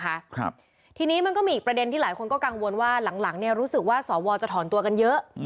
ครับทีนี้มันก็มีอีกประเด็นที่หลายคนก็กังวลว่าหลังหลังเนี้ยรู้สึกว่าสวจะถอนตัวกันเยอะอืม